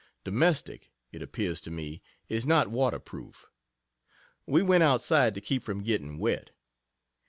"Domestic," it appears to me, is not water proof. We went outside to keep from getting wet.